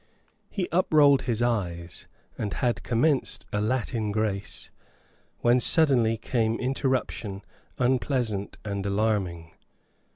He uprolled his eyes, and had commenced a Latin grace, when suddenly came interruption unpleasant and alarming.